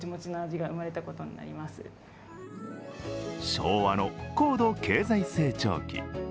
昭和の高度経済成長期。